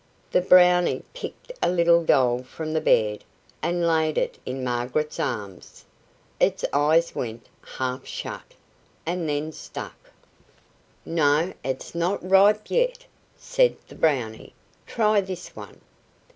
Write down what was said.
The Brownie picked a little doll from the bed and laid it in Margaret's arms. Its eyes went half shut, and then stuck. "No, it's not ripe yet," said the Brownie. "Try this one."